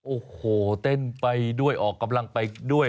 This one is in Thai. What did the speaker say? โอ้โหเต้นไปด้วยออกกำลังไปด้วย